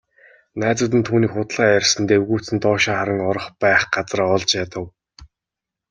Найзууд нь түүнийг худлаа ярьсанд эвгүйцэн доош харан орох байх газраа олж ядав.